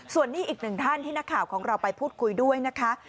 ส่วนนี้อีกหนึ่งท่านที่นักข่าวของเราไปพูดคุยด้วยนะคะ